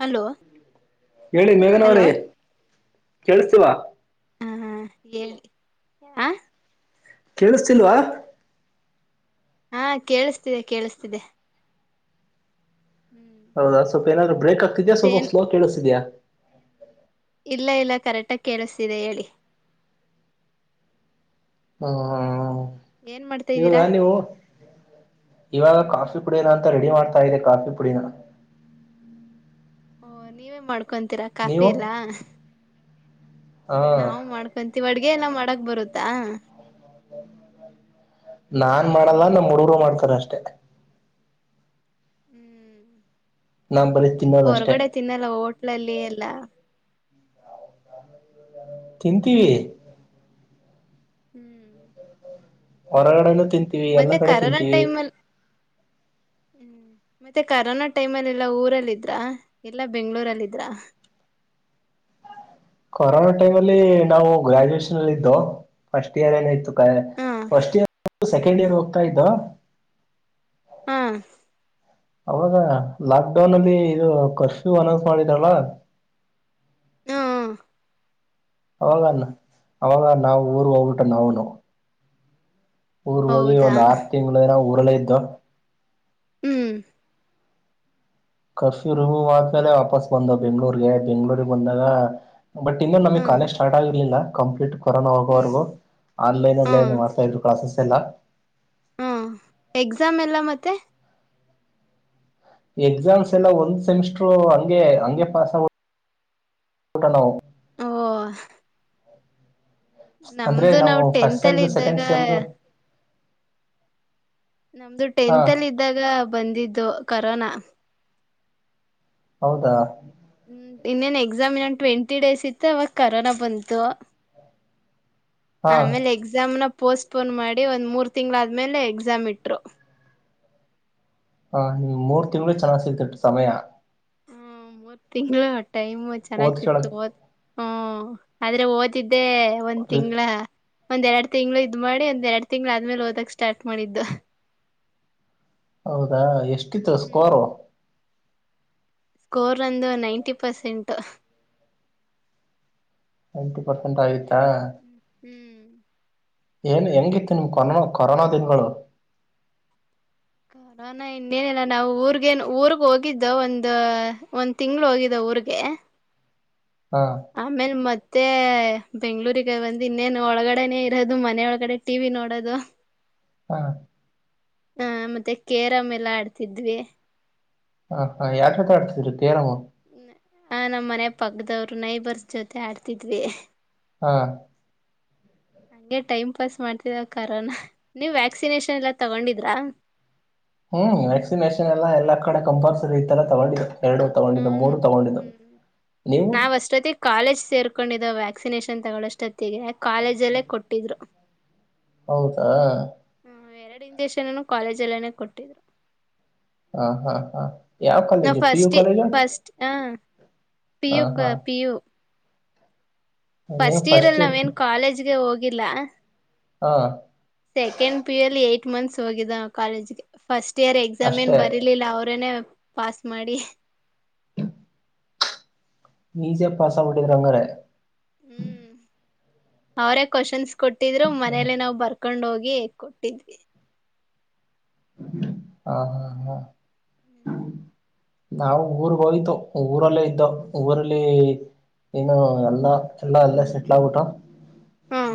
Hello ಹೇಳಿ hello ಮೇಘನವ್ರೀ ಕೇಳ್ಸಿತಿಲ್ಲ [unintelligible] ಹಾ ಹಾ ಹೇಳಿ ಆ ಕೇಳಿಸ್ತಿಲ್ವಾ ಹಾ ಕೇಳಿಸ್ತಿದೆ ಕೇಳಿಸ್ತಿದೆ ಹ್ಮ್ ಹೌದಾ ಸ್ವಲ್ಪ ಏನಾದ್ರೂ ಬ್ರೇಕ್ ಆಕ್ತಿದ್ಯಾ ಸ್ವಲ್ಪ ಮತ್ತೇನ್ ಸ್ಲೋ ಆಗಿ ಕೇಳಿಸ್ತಿದ್ಯಾ ಇಲ್ಲ ಇಲ್ಲ ಕರೆಕ್ಟಾಗಿ ಕೇಳಿಸತಿದೆ ಹೇಳಿ ಹ್ಮ ಹಾ ಏನ್ ಮಾಡ್ತಾ [unintelligible] ಇವಾಗ ಇದ್ದೀರಾ ನೀವು ಇವಾಗ [unintelligible] ಕಾಫಿ ಕುಡಿಯನ [unintelligible] ಅಂತ ರೆಡಿ ಮಾಡ್ತಾ ಇದೆ ಕಾಫಿ ಪುಡಿನ ಓ ನೀವೇ ಮಾಡ್ ಕೊಂತೀರಾ ಕಾಫಿ ನೀವು ಎಲ್ಲ ಹ ನಾವ್ ಮಾಡ್ಕೊಂತೀವಿ ಅಡ್ಗೆ ಎಲ್ಲ ಮಾಡ್ ಡಕ್ ಬರುತ್ತ ನಾನ್ ಮಾಡಲ್ಲ ನಮ್ಮ್ ಹುಡುಗರು ಮಾಡ್ತಾರ ಅಷ್ಟೆ ಹ್ಮ್ ನಮ್ಮ ಬರೀ ತಿನ್ನೋದಷ್ಟೇ [unintelligible] ಹಳಲ್ಲಿ ಎಲ್ಲ ತಿಂತೀವಿ ಹ್ಮ್ ಹೊರಗಡೆನು ತಿಂತೀವಿ ಎಲ್ಲ ಮತ್ತೆ ಕಡೆ ಕರೋನಾ ತಿಂತೀವಿ ಟೈಮ್ ಅಲ್ಲಿ ಹ್ಮ್ ಮತ್ತೆ ಕರೋನಾ ಟೈಮ್ ಅಲ್ಲಿ ಎಲ್ಲಾ ಊರಲ್ಲ ಇದ್ರ ಎಲ್ಲಾ ಬೆಂಗಳೂರಲ್ಲ ಇದ್ರ ಕೊರೋನಾ ಟೈಮ್ ಅಲ್ಲಿ ನಾವು ಗ್ರಾಜುಯೇಷನ್ ಅಲ್ಲಿ ಇದ್ದೋ ಫಸ್ಟ್ ಏನೇನಾಯಿತೋ ಗ ಹಾ ಫಸ್ಟ್ ಇಯರ್ ದು ಸೆಕೆಂಡ್ ಇಯರ್ ಹೋಗ್ತಾ ಇದ್ದೋ ಹ್ಮ್ ಅವಾಗ ಲಾಕ್ಡೌನ್ ಅಲ್ಲಿ ಇದು ಕರ್ಫ್ಯೂ ಅನೌನ್ಸ್ ಮಾಡಿದ್ರಲ್ಲ ಹ್ಮ್ ಹ್ಮ್ ಅವಾಗ ಅವಾಗ ನಾವು ಊರು ಹೋಗ್ಬಿಟ್ಟು ನಾವುನು ಊರ್ ಹೋಗಿ ಹೌದಾ ಒಂದ್ ಆರ್ ತಿಂಗ್ಲೇನೋ ಬಲ್ಲೆ ಎತ್ತೋ ಹ್ಮ್ ಕರ್ಫ್ಯೂ ಶುರು ಆದ್ಮೇಲೆ ವಾಪಸ್ ಬಂದೋ ಬೆಂಗ್ಳೂರ್ಗೆ ಬೆಂಗ್ಳೂರಿಗೆ ಬಂದಾಗ ಬಟ್ ಇಂದಂದು ಹ ನಮಗ್ ಕಾಲಜ್ ಸ್ಟಾರ್ಟ್ಗಿರ್ಲಿಲ್ಲ ಕಂಪ್ಲೀಟ್ ಕೊರೋನಾ ಹ್ಮ್ ಹೋಗುವವರೆಗೂ ಆನ್ಲೈನ್ ಅಲ್ಲಿ ಏ ಮಾಡ್ತಾ ಇದ್ರು ಕ್ಲಾಸಸ್ ಎಲ್ಲ ಹ್ಮ್ ಎಕ್ಸಾಮ್ ಎಲ್ಲ ಮತ್ತೆ ಎಕ್ಸಾಮ್ಸ್ ಎಲ್ಲಾ ಒಂದ್ ಸೆಮಿಸ್ಟರು ಹಂಗೆ ಹಂಗೆ ಪಾಸ್ ಆಗೊ ಬಿಟೊ ನವು ಹೋ ಅಂದ್ರೆ ನಾವು ಫಸ್ಟ್ ಟೆಂತ್ ಅಲ್ಲಿ ಸಮ್ದು ಇದ್ದಾಗ ಸೆಕೆಂಡ್ ಸಮ್ದು ನಮ್ದು ಹಾ ಟೆಂತ್ ಅಲ್ಲಿ ಇದ್ದಾಗ ಬಂದಿದ್ದು ಕರೋನ ಹೌದಾ ಹ್ಮ್ ಇನ್ನೇನ್ ಎಕ್ಸಾಮ್ ಇನ್ನೊಂದು ಟ್ವೆಂಟಿ ಡೇಸ್ ಇತ್ತು ಅವಾಗ ಕರೋನಾ ಬಂತು ಹಾ ಆಮೇಲೆ ಎಕ್ಸಾಮ್ ನ ಪೋಸ್ಟ್ ಪೋನ್ ಮಾಡಿ ಒಂದ್ ಮೂರ್ ತಿಂಗಳಾದ್ಮೇಲೆ ಎಕ್ಸಾಮ್ ಇಟ್ರು ಹಾ ಮೂರ್ ತಿಂಗ್ಳು ಚೆನ್ನಾಗ್ ಸಿಕ್ತು ಸಮಯ ಹ್ಮ ಮೂರ್ ತಿಂಗಳು ಟೈಮ್ ಚೆನ್ನಾಗ್ ಓದ್ ಸಿಕ್ತು ಕೇಳಕ್ ಓ ಹ್ಮ ಆದ್ರೆ ಓದಿದ್ ದೇ ಒಂದ್ ರೀ ತಿಂಗಳ ಒಂದ್ ಎರಡು ತಿಂಗಳು ಇದ್ ಮಾಡಿ ಒಂದ್ ಎರಡು ತಿಂಗ್ಳ ಆದ್ಮೇಲೆ ಓದಕ್ ಸ್ಟಾರ್ಟ್ ಮಾಡಿದ್ದು ಹೌದಾ ಎಷ್ಟಿತ್ತು ಹ್ಮ್ ಸ್ಕೋರು ಸ್ಕೋರ್ ಒಂದು ನೈಂಟಿ ಪರ್ಸೆಂಟ್ ನೈಂಟಿ ಪರ್ಸೆಟ್ ಆಯತ್ ಹ್ಮ್ [inaudible] ಏನ್ ಹೆಂಗಿತ್ತು ನಿಮ್ ಕೊರ್ನೋ ಕೊರೋನಾ ದನ್ಗಳು ಕಾರರೋನಾ ಇನ್ನೇನಿಲ್ಲ ನಾವು ಊರ್ಗೇನು ಊರ್ಗ್ ಹೋಗಿದ್ದೋ ಒಂದ ಒಂದ್ ತಿಂಗ್ಳ ಹೋಗಿದ್ದೋ ಊರ್ಗೆ ಹಾ ಆಮೇಲ್ ಮತ್ ಮತ್ತೆ ಬೆಂಗ್ಗಳೂರಿಗೆ ಒಂದ್ ಇನ್ನೇನು ಒಳಗಡೆನೆೇ ಇರೋದು ಮನೆ ಒಳಗಡೆ ಟಿವಿ ನೋಡದು ಹಾಂ ಹಾಂ ಮತ್ತೆ ಕೇರಮ್ ಎಲ್ಲ ಆಡ್ತಿದ್ವಿ ಹ ಹಾಂ ಯಾರ್ ಜೊತೆ ಆಡ್ತಿದ್ರಿ ಕೇರಂ ಹಾಂ ನಮ್ ಮನೆ ಪಕ್ದವ್ರು ನೈಬರ್ಸ್ ಜೊತೆ ಆಡ್ತಿದ್ವಿ. ಹಾಂ ಹೆ ಟೈಮ್ ಪಾಸ್ ಮಾಡ್ತಿದ್ದೊ ಕರೋನಾ ನೀವ್ ವ್ಯಾಕ್ಸಿನೇಶನ್ ಎಲ್ಲ ತಗೊಂಡಿದ್ರಾ? ಹ್ಮ್ ವ್ಯಾಕ್ಸಿನೇಷನ್ ಎಲ್ಲಾ ಎಲ್ಲಾ ಕಡೆ ಕಂಪಲ್ಸರಿ ಇತ್ತಲ್ಲ ತಗೊಂಡಿದೋ ಹ್ಮ್ ಹ್ಮ್ ನೀವು ನಾವ್ ಅಷ್ಟೊತ್ತಿಗ್ ಕಾಲೇಜ್ ಸೇರ್ ಕೊಂಡಿದ್ದೋ ವ್ಯಾಕ್ಸಿನೇಷನ್ ತಗೊಳೊ ಅಷ್ಟೊತ್ತಿಗೆ ಕಾಲೇಜಲ್ಲೇ ಕೊಟ್ಟಿದ್ರು. ಹೌದಾ? ಹ್ಮ್ ಎರಡ್ ಇಂಜೆಕ್ಷನುನು ಕಾಲೇಜಲ್ಲೇನೇ ಕೊಟ್ಟಿದ್ರು. ಹಾಂ ಹಾಂ ಹಾಂ ಯಾವ್ ನಾವ್ college P. U first college first ಹ ಪಿ ಯು ಹಾಂ ಹಾಂ ಪಿ ಯು ಫಸ್ಟ್ ಇಯರ್ ಅಲ್ ನಾವ್ ಏನ್ ಕಾಲೇಜ್ ಗೆ ಹೋಗ್ ಇರ್ಲಾ? ಹಾಂ ಸೆಕೆಂಡ್ ಪಿ. ಯು ಅಲ್ಲಿ ಏಟ್ ಮಂತ್ಸ್ ಹೋಗಿದ್ದೋ ನಾವ್ ಕಾಲೇಜ್ಗೆ ಫಸ್ಟ್ ಇಯರ್ ಎಕ್ಸಾಮ್ ಏನ್ ಅಷ್ಟೇ ಬರಿಲಿಲ್ಲ ಅವ್ರೇನೇ ಪಾಸ್ ಮಾಡಿ ಈಜಿಯಾಗ್ ಪಾಸಾಗ್ಬಿಟಿದಿರ ಅಂಗಾರೆ? ಹ್ಮ್ ಅವರೇ ಕ್ವೆಶ್ಚನ್ಸ್ ಕೊಟ್ಟಿದ್ರು ಮನೆಲೆ ನಾವ್ ಬರ್ಕೊಂಡ್ ಹೋಗ್ ಏ ಕೊಟ್ಟಿದ್ವಿ ಹಾಂ ಹಾಂ ಹಾಂ. ನಾವು ಊರ್ಗೋಯ್ತು ಊರಲ್ಲೇ ಇದ್ದೋ, ಊರಲ್ಲಿ ಏನು ಎಲ್ಲಾ ಎಲ್ಲಾ ಅಲ್ಲೆ ಸೆಟ್ಲ್ ಆಗ್ಬಿಟ್ಟೋ ಹಾಂ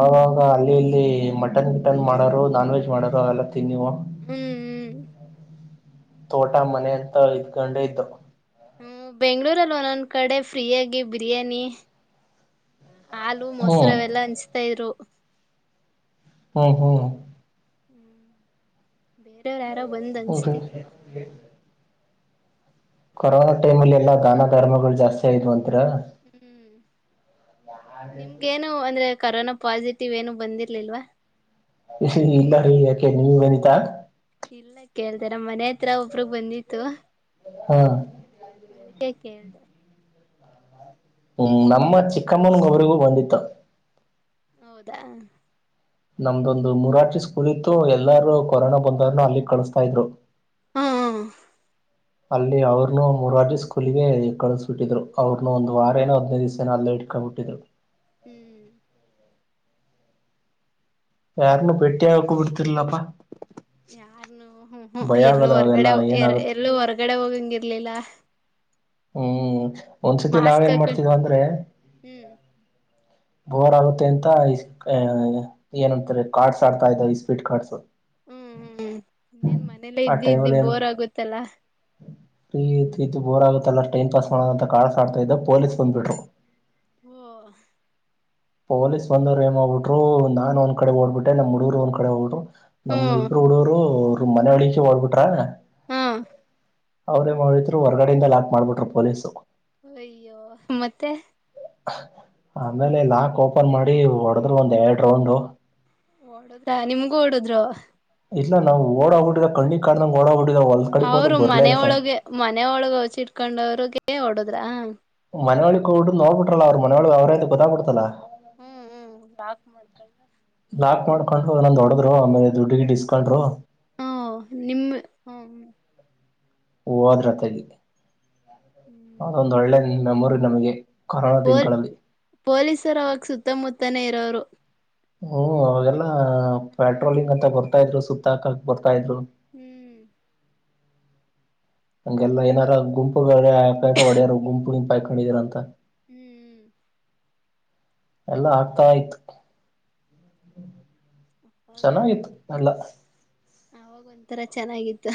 ಆವಾಗ ಅಲ್ಲಿ ಇಲ್ಲಿ ಮಟನ್ ಗಿಟನ್ ಮಾಡೋರು ನಾನ್ ವೆಜ್ ಮಾಡೋರು ಅವೆಲ್ಲ ತಿನ್ನಿವೋ ಹ್ಮ್ ತೋಟ ಮನೆ ಅಂತ ಇದ್ಕೊಂಡೆ ಇದ್ದೋ ಹ್ಮ್ ಬೆಂಗ್ಳೂರಲ್ ಒನೊನ್ ಕಡೆ ಫ್ರೀಯಾಗಿ ಬಿರಿಯಾನಿ ಹಾಲು ಹ್ಮ್ ಮೊಸರವೆೆಲ್ಲಾ ಹಂಚ್ತಾ ಇದ್ರು ಹೂಂ ಹೂಂ ಹ್ಮ್ ಬೇರೆಯವ್ರ ಯಾರೋ ಬಂದ್ ಹಂಚ್ತಿದ್ರು [unintelligible] ಕೊರೋನಾ ಟೈಮಲ್ಲಿ ಎಲ್ಲಾ ದಾನ ಧರ್ಮಗಳು ಜಾಸ್ತಿ ಆಯಿತು ಅನ್ ಹ್ಮ್ ನಿಮ್ಗೇನು ಅಂದ್ರೆ ಕರೋನಾ ಪಾಸಿಟಿವ್ ಏನು ಬಂದಿರ್ಲಿಲ್ವಾ? ಇಸಿ ಇಲ್ಲ ರೀ ಯಾಕೆ ನೀಮ್ಗ್ ಬಂದಿತ್ತಾ? ಇಲ್ಲ ಕೇಳ್ದೆ ನಮ್ಮ್ ಮನೆ ಹತ್ರ ಒಬ್ರಗ್ ಬಂದಿತ್ತು. ಹಾ ಅದಿಕೆ ಕೇಳ್ದೆ. ಹ್ಮ ನಮ್ಮ ಚಿಕ್ಕಮ್ಮನ್ಗ್ ಒಬ್ರಿಗು ಬಂದಿತ್ತು. ಹೌದಾ ನಮ್ದೊಂದು ಮೂರಾರ್ಜಿ ಸ್ಕೂಲ್ ಇತ್ತು ಎಲ್ಲಾರ್ನು ಕೊರೋನಾ ಬಂದವ್ರ್ನಾ ಅಲ್ಲಿಗ್ ಕಳಸ್ತಾ ಇದ್ರು. ಹ್ಮ ಹ ಅಲ್ಲಿ ಅವ್ರನ್ನು ಮೂರಾರ್ಜಿ ಸ್ಕೂಲಗೆ ಕಳಸ್ಬಿಟ್ಟಿದ್ರು ಅವ್ರನು ಒಂದ್ ವಾರ ನೋ ಹದ್ನೈ ದಿವ್ಸನ ಏನೋ ಅಲ್ಲೇ ಇಟ್ಕೊಂಡ್ ಬಿಟ್ಟಿದ್ರು. ಹ್ಮ್ ಯಾರ್ನ್ನು ಬೆಟ್ಟಿ ಆಗಕು ಬಿಡ್ತಿರ್ಲಪ್ಪ. ಯಾರ್ನು ಹು ಹು ಎಲ್ಲೂ ಆಗದ ಹೊರ್ಗಡೆ ಅವೆಲ್ಲಾ ಎರ ಏನಾಗುತ್ತೆ ಎಲ್ಲೂ ಹೊರ್ಗಡೆ ಹೋಗಂಗಿರ್ಲಿಲ್ಲ. ಹ್ಮ್ ಒಂದ್ಸತಿ ಮಾಸ್ಕ್ ನಾವೇನ್ ಹಾಕೊಂಡ್ ಮಾಡ್ತಿದ್ವ ಅಂದ್ರೆ ಹ್ಮ್ ಬೋರ್ ಆಗುತ್ತೆ ಅಂತ ಈಸ್ ಆ ಏನಂತಾರೆ ಕಾರ್ಡ್ಸ್ ಆಡ್ತಾ ಇದ್ರ್ ಇಸ್ಪೀಟ್ ಕಾರ್ಡ್ಸ್. ಹ್ಮ್ ಹ್ಮ್ ಇನ್ನೇನ್ ಮನೇಲೆ ಆ ಇದ್ದಿ ಇದ್ದಿ ಟೈಮಲ್ಲಿ ಏನು ಬೋರ್ ಆಗುತ್ತಲ್ಲ. ಫ್ರೀ ಇದ್ದು ಇದ್ದು ಬೋರ್ ಆಗತ್ತಲ್ಲಾ ಟೈಮ್ ಪಾಸ್ ಮಾಡೋಣ ಅಂತ ಕರ್ಡ್ಸ್ ಆಡ್ತಾ ಇದ್ದೋ ಪೊಲೀಸ್ ಬಂದ್ಬಿಟ್ರು. ಓ ಹ ಪೊಲೀಸ್ ಬಂದವ್ರ್ ಏನ್ಮಾಡ್ಬುಟ್ರು ನಾನ್ ಒಂದ್ ಕಡೆ ಓಡ್ಬಿಟ್ಟೆ ನಮ್ಮ ಹುಡಗರು ಒಂದ್ ಕಡೆ ಹೋಗ್ಬಿಟ್ರು. ನಮ್ಮ್ ಹ್ಮ್ ಇಬ್ರು ಹುಡುಗ್ರು ಮನೆಯೊಳಿಕ್ಕೆ ಓಡ್ಬಿಟ್ರಾ ಹಾ ಅವ್ರೆನ್ ಮಾಡ್ ಬಿಟ್ರು ಹೊರ್ಗಡೆಯಿಂದಾ ಲಾಕ್ ಮಾಡ್ಬಿಟ್ರು ಪೊಲೀಸು. ಅಯ್ಯೋ ಮತ್ತೆ. ಆಮೇಲೆ ಲಾಕ್ ಓಪನ್ ಮಾಡಿ ಹೊಡೆದ್ರು ಒಂದ್ ಎರಡ್ ರೌಂಡು ಹೊಡದ್ರಾ ನಿಮ್ಗೂ ಹೊಡುದ್ರು. ಇಲ್ಲ ನಾವು ಓಡೋಗ್ಬಿಟ್ಟಿದ್ದೆ ಕಣ್ಣಿಗ್ ಕಾಣ್ದಂಗ್ ಓಡೋಬಿ ಅವ್ರು ಮನೆ ಒಳಗೆ ಮನೆ ಒಳಗ್ ಅವ್ಸ್ ಇಟ್ಕೊಂಡವ್ರು? ಕೇ [unintelligible] ಹೊಡದ್ರಾ? ಮನೆ ಓಳಿಗಕ್ ಹೋಗ್ ಬಿಟ್ಟು ನೋಡ್ಬಿಟ್ರಲ್ಲ ಅವರು ಮನೊಓಳ ಅವ್ರೆ ಅಂತ ಗೊತ್ತಾಗ್ ಬಿಡ್ತಲ್ಲ. ಹ್ಮ್ ಹ್ಮ್ ಲಾಕ್ ಮಾಡ್ಕೊಂಡ್ ಕೊಂಡು ಒನ್ನೊಂದ್ ಹೊಡದ್ರು ಆಮೇಲ್ ದುಡ್ ಗಿಡ್ ಇಸ್ಕೊಂಡ್ರು. ಹ್ಮ ನಿಮ್ಮ ಹ್ಮ ಹೋದ್ರತ್ತಗೆ ಹ್ಮ್ ಅದೊಂದು ಒಳ್ಳೆ ನಿ ಮೆಮೋರಿ ನಮ್ಗೆ ಕೊರೋಳ ದಿನಗಳಲ್ಲಿ ಪೊಲೀಸರು ಅವಾಗ ಸುತ್ತಮುತ್ತನೇ ಇರೋರು. ಹ್ಮ ಅವಾಗೆಲ್ಲ ಆ ಪೆಟ್ರೋಲಿಂಗ್ ಅಂತ ಬರ್ ತ್ತಾ ಇದ್ರು ಸುತ್ತಾ ಕಕ್ ಹ್ಮ್ ಹಂಗೆಲ್ಲ ಏನಾರ ಗುಂಪು ಒಡ್ಯಾರ ಗುಂಪು ನಿಂಪು ಹಾಕೊಂಡಿದಾರಂತ ಹ್ಮ್ ಎಲ್ಲಾ ಆಗ್ತಾ ಆಯ್ತು ಚೆನ್ನಾಗಿತ್ತು ಎಲ್ಲ ಅವಾಗ್ ಒಂದ್ತಾರ ಚೆನ್ನಾಗಿತ್ತು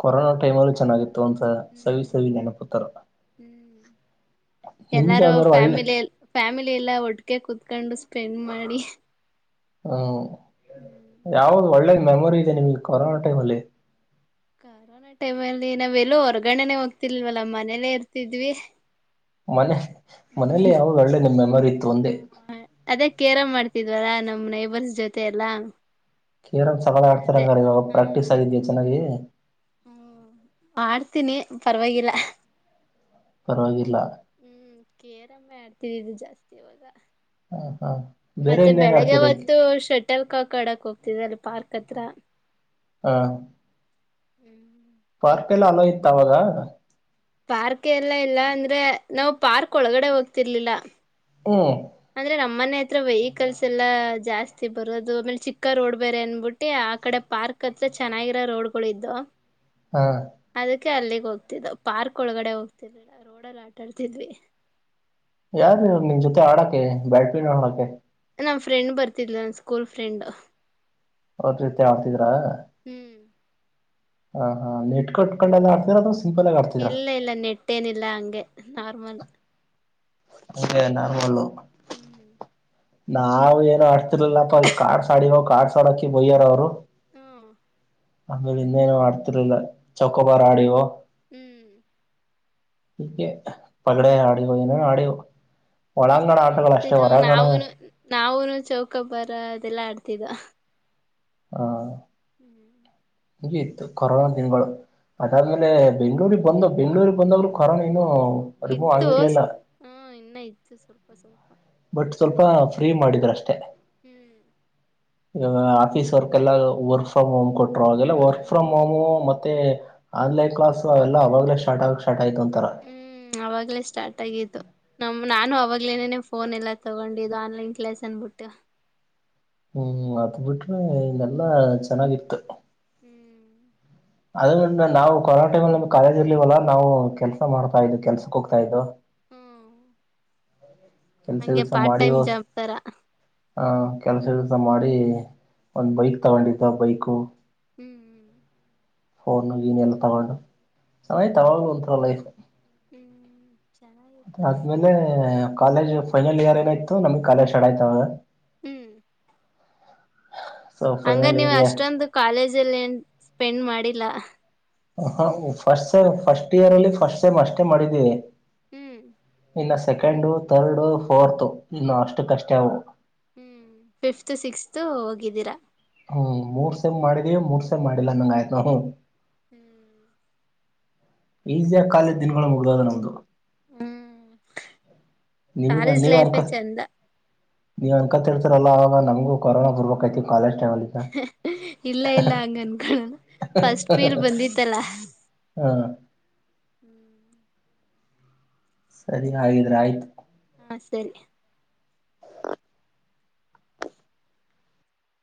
ಕೊರೋನಾ ಟೈಮಲ್ಲು ಚೆನ್ನಾಗಿತ್ತು ಅಂತ ಸವಿ ಹ್ಮ್ ಸವಿ ನೆನಪುತ್ತರ ಹ್ಮ್ ನಿಮ್ಗೆ ಎಲ್ಲಾರು ಯಾವ್ದಾದ್ರು ಒಳ್ಳೆ ಫ್ಯಾಮಿಲ್ ಫ್ಯಾಮಿಲಿ ಎಲ್ಲ ಒಟ್ ಕ್ಕೆ ಕುೂತ್ಕೊಂಡು ಸ್ಪೆಂಡ್ ಮಾಡಿ ಹ್ಮ ಹ್ಮ್ ಯಾವ್ದ ಒಳ್ಳೆ ಮೆಮೋರಿಇದೇ ನಮಗೆ ಕೊರೋನ ಟೈಮಲ್ಲಿ ಟೈಮ್ ಅಲ್ಲಿ ನಾವ್ ಎಲ್ಲೋ ಹೊರಗಡೆ ಹೊರ್ಗಣನೆ ಹೋಗ್ತಿಲ್ವಲ್ಲ ಮನೇಲೆೇ ಇರ್ತಿದ್ವಿ ಮನೆ ಮನೇಲಿ ಯಾವ್ದ್ ಒಳ್ಳೆ ನಿಮ್ ಮೆಮೊರಿ ಇತ್ತು ಒಂದೇ ಅದೇ ಕೇರಂ ಆಡ್ತಿದ್ವಲ್ಲ ನಮ್ ನೈಬರ್ಸ್ ಜೊತೆ ಎಲ್ಲಾ ಕೇರನ್ ಸಕ್ಕತ್ತಾಗ್ ಅದೇ ಆಡ್ತಾರಂಗಾರ ಇವಾಗ ಪ್ರಾಕ್ಟೀಸ್ ಆಗಿದ ಚೆನ್ನಾಗಿ ಹ್ಮ ಮಾಡಡ್ತೀನಿ ಪರವಾಗಿವಾಗಿಲ್ಲ ಪರವಾಗಿಲ್ಲ ಹ್ಮ ಕೇರಮ್ಮೆ ಆಡ್ತಿದಿದ್ದು ಜಾಸ್ತಿ ಅವಾಗ ಹ ಹಾ ಬೇರೆ ಮತ್ತೆ ಇನ್ನೇನ್ ಬೆಳಿಗ್ಗೆ ಆಡ್ತೀರಿ ಹೊತ್ತು ಶಟಲ್ ಕಾಕ್ ಆಡೋಕೆ ಹೋಗ್ [inaudible] ಪಾರ್ಕ್ ಅತ್ರ ಹಾ ಹ್ಮ್ ಪಾರ್ಕೆಲ್ಲ ಅಲ್ಲೋ ಇತ್ತ ಅವಾಗ ಪಾರ್ಕ್ ಎಲ್ಲ ಇಲ್ಲ ಅಂದ್ರೆ ನಾವು ಪಾರ್ಕ್ ಒಳಗಡೆ ಹೋಗ್ತಿರ್ಲಿಲ್ಲ ಹ್ಮ್ ಅಂದ್ರೆ ನಮ್ಮನೆ ಹ ಹತ್ರ ವೆಹಿಕಲ್ಸ್ ಎಲ್ಲಾ ಜಾಸ್ತಿ ಬರೋದು ಆಮೇಲೆ ಚಿಕ್ಕ ರೋಡ್ ಬೇರೆ ಅನ್ಬಿಟ್ಟಿ ಆ ಕಡೆ ಪಾರ್ಕ್ ಹತ್ರ ಚೆನ್ನಾಗಿರೋ ರೋಡ್ಗಳು ಇದೋ ಹಾ ಕ್ಕೆ ಅಲ್ಲಿಗೆ ಹೋಗ್ತಿದ್ದ ಪಾರ್ಕ್ ಒಳಗಡೆ ಹೋಗ್ತಿರಲಿಲ್ಲ ರೋಡಲ್ಲಿ ಆಟಾಡ್ತಿದ್ವಿ ಯಾರ ನಿನ್ ಜೊತೆ ಆಡಕೆ ಬ್ಯಾಟ್ ಬಿನ್ ಆಡೋಕೆ ನಮ್ಮ ಫ್ರೆಂಡ್ ಬರ್ತಿದ್ಲು ನನ್ ಸ್ಕೂಲ್ ಫ್ರೆಂಡ್ ಅವ್ರ್ ಜೊತೆ ಆಡ್ತಿದ್ರ ದ್ರ ಹ್ಮ್ ಹ ಹಾ ನೆಟ್ ಕಟ್ಕೊಂಡ ಎಲ್ಲ ಆಡ್ತೀರಾ ಅಥವಾ ಸ್ ಇಲ್ಲ ಇಲ್ಲ ನೆಟ್ಟೇನಿಲ್ಲ ಹಂಗೆ ನಾರ್ಮಲ್ ಅಂಗೇ ನಾರ್ಮಲು ಹ್ಮ್ ನಾವ್ ಏನ್ ಆಡ್ತಿ [inaudible] ಕಾರ್ಡ್ಸ್ ಆಡಿಯೊ ಕಾರ್ಡ್ ತಾಡಕ್ಕಿ ಬೈಯಾರ ಅವ್ರು ಹ್ಮ್ ಆಮೇಲೆ ಇನ್ನೇನು ಆಡ್ತಿರ್ಲಿಲ್ಲ ಚೌಕೊಬಾರ ಆಡಿವೋ ಹ್ಮ್ ಇಂಗೆ ಪಗಡೆ ಹಾಡಿವೋ ಏನೇನೋ ಆಡಿವೋ ಒಳಾಂಗಣ ಆಟಗಳು ಅಷ್ಟೇ ಚೆನ್ನಾಗಿರ್ತಿತ್ತು ಆಮ್ ಹೊರಾಂಗಣ ನಾವುನು ನಾವುನು ಚೌಕ ಬರ ಅದೆಲ್ಲಾ ಅಡ್ ತಿದೋ ಹ್ ಹಾ [inaudible] ಹಂಗೆ ಇತ್ತು ಕೊರೋನಾ ದಿನಗಳು ಅದಾದ್ಮೇಲೆ ಬೆಂಗ್ಳೂರಿಗೆ ಬಂದು ಬೆಂಗ್ಳೂರಿಗೆ ಬಂದಾಗ್ಲೂ ಕೊರೋನಾ ಇನ್ನು ಇತ್ತು ಹಾ ಇನ್ನ ಇತ್ತು ಸ್ವಲ್ಪ ಸ್ವಲ್ಪ ತ್ತೆ ಹ್ಮ್ ಹೂ ಆಫೀಸ್ ವರ್ಕ್ ಎಲ್ಲ ವರ್ಕ್ ಫ್ರಮ್ ಹೋಮ್ ಕೊಟ್ ಟ್ರ ಅದೆಲ್ಲ ವರ್ಕ್ ಹ್ಮ್ ಫ್ರಮ್ ಹೋಮು ಮತ್ ಮತ್ತೆ ಆನ್ಲೈನ್ ಕ್ಲಾಸ್ ಅವೆಲ್ಲ ಅವಾಗ್ಲೇ ಸ್ಟಾರ್ಟ್ ಆಗಕ್ ಸ್ಟಾರ್ಟ್ ಆಯ್ತು ಅಂತಾರ ಹ್ಮ್ ಅವಾಗಲೇ ಸ್ಟಾರ್ಟ್ ಆಗಿ ತ್ತು ನಮ್ ನಾನು ಅವಾಗ್ಲೇನೇನೆ ಫೋನ್ ಎಲ್ಲ ತಗೊಂಡಿದ್ದು ಆನ್ಲೈನ್ ಕ್ಲಾಸ್ ಅಂದ್ಬಿಟ್ಟು. ಹ್ಮ್ ಅದ್ ಬಿಟ್ರೆ ಇನ್ನೆಲ್ಲ ಚೆನ್ನಾಗಿತ್ತು. ಹ್ಮ್ ಅದರಿಂದ ನಾವು ಕರೋನ ಟೈಮಲ್ಲಿ ನಮ್ಗ್ ಕಾಲೇಜ್ ಇರ್ಲಿಲ್ವಲ್ಲಾ ನಾವು ಕೆಲ್ಸ ಮಾಡ್ತಾ ಇದ್ವಿ ಕೆಲ್ಸಕ್ ಹೋಗ್ತಾ ಇದ್ವೋ. ಹ್ಮ್ ಕೆಲ್ಸ ಹಂಗೆ ಗಿಲ್ಸ ಪಾರ್ಟ್ ಟೈಮ್ ಮಾಡಿವೊ ಜಾಬ್ ತರ ಹಾ ಕೆಲ್ಸ ಗಿಲ್ಸ ಮಾಡಿ ಒಂದ್ ಹ್ಮ್ ಬೈಕ್ ತಗೊಂಡಿ ದ ಬೈಕು ಹ್ಮ್ ಹ್ಮ್ ಫೋನ್ ಗೀನು ಎಲ್ಲ ತಗೊಂಡು ಚೆನ್ನಾಗಿತ್ತ್ ಅವಾಗ್ಲೂ ಒಂತರ ಲೈಫ್. ಹ್ಮ್ ಅದ್ ಚೆನ್ನಾಗಿತ್ತು ಆದ್ಮೇಲೆ ಕಾಲೇಜ್ ಫೈನಲ್ ಇಯರ್ ಏನಾಯ್ತ ನಮಗ್ ಕಾಲೇಜ ಸ್ಟಾರ್ಟ್ ಆಯತವಾಗ ಹ್ಮ್ ಸೊ ಹಂಗರ್ ಫೈನಲ್ ನೀವ್ ಇಯರ್ಗೆ ಅಷ್ಟೊಂದು ಕಾಲೇಜಲ್ಲೇನ್ ಸ್ಪೆಂಡ್ ಮಾಡಿಲ್ಲ. ಹ ಫಸ್ಟ್ ಸಮ ಫಸ್ಟ್ ಇಯರ್ ಅಲ್ಲಿ ಫಸ್ಟ್ ಸೇಮ್ ಅಷ್ಟೇ ಮಾಡಿದ್ದೀವಿ. ಹ್ಮ್ ಇನ್ನು ಸೆಕೆಂಡ ಥರ್ಡು ಫೋರ್ತ್ ಇನ್ನು ಅಷ್ಟು ಕಷ್ಟೆ ಅವು. ಹ್ಮ್ ಫಿಫ್ತ್ ಸಿಕ್ಸ್ತ್ ಹೋಗಿದ್ದೀರ. ಹ್ಮ್ ಮೂರ್ ಸೆಮ್ ಮಾಡಿದೀವಿ ಮೂರ್ಸೆಮ್ ಮಾಡಿಲ್ಲಾ ಅನ್ನಂಗ್ ಆಯ್ತ ನಾವು. ಹ್ಮ್ ಇಸಿಯಾಗ್ ಕಾಲೇಜ್ ದಿನಗಳು ಮುಗ್ದೋದು ನಮ್ದು. ಹ್ಮ್ ನೀವ ಕಾಲೇಜ್ ನೀವರ್ಕ ಲೈಫೇ ಚಂದ ನೀವ ಕತ್ ಹೆಳ್ತಾರಲ್ಲ ಅವಾಗ್ ನಮ್ಗೂ ಕೊರೋನಾ ಬರ್ಬೆಕೈತ್ ಹ ಹ ಇಲ್ಲ ಇಲ್ಲ ಹಂಗ ಅನ್ಕಳ ಫಸ್ಟ್ ಪೀಲ್ ಬಂದಿತ್ತಲ್ಲ. ಹಾ ಹ್ಮ್ ಸರಿ ಹಾಗಿದ್ರೆ ಆಯ್ತು. ಹಾ ಸರಿ